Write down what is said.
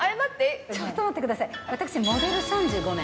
ちょっと待ってください私。